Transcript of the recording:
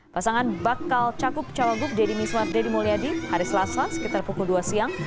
pasangan bakal cagup cagup dedy mizwar dedy mulyadi hari selasa sekitar pukul dua siang